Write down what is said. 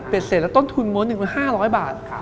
เป็นเสร็จแล้วต้นทุนโมทนึงคือ๕๐๐บาท